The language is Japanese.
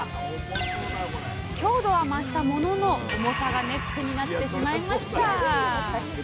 強度は増したものの重さがネックになってしまいました。